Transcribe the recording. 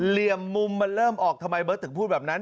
เหลี่ยมมุมมันเริ่มออกทำไมเบิร์ตถึงพูดแบบนั้น